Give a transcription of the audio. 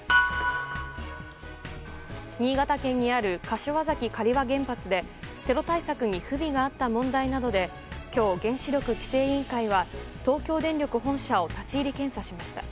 新潟県にある柏崎刈羽原発でテロ対策に不備があった問題などで今日、原子力規制委員会は東京電力本社を立ち入り検査しました。